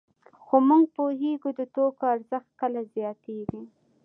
خو موږ پوهېږو د توکو ارزښت کله زیاتېږي